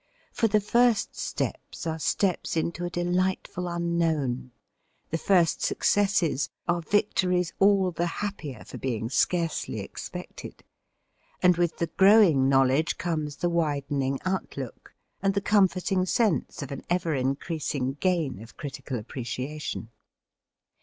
For the first steps are steps into a delightful Unknown, the first successes are victories all the happier for being scarcely expected, and with the growing knowledge comes the widening outlook, and the comforting sense of an ever increasing gain of critical appreciation.